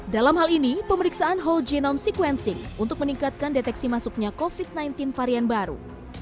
dalam hal ini pemeriksaan whole genome sequencing untuk meningkatkan deteksi masuknya covid sembilan belas varian baru